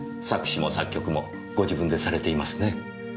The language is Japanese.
作詞も作曲もご自分でされていますね？